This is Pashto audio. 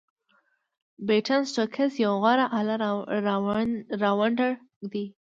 بین سټوکس یو غوره آل راونډر دئ.